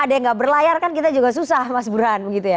ada yang gak berlayar kan kita juga susah mas burhan